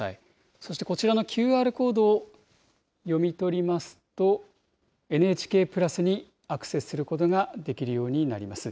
そしてこちらのＱＲコードを読み取りますと、ＮＨＫプラスにアクセスすることができるようになります。